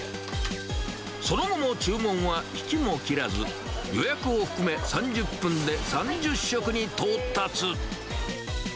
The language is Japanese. その後も注文はひきもきらず、予約を含め３０分で３０食に到達。